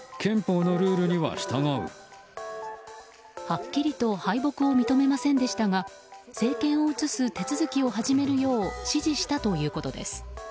はっきりと敗北を認めませんでしたが政権を移す手続きを始めるよう指示したということです。